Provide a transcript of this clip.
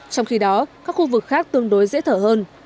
trong khi đó các khu vực khác tương đối dễ thở hơn